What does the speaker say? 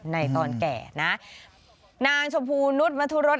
ในตอนแก่นะนางชมพูนุษย์มทุรส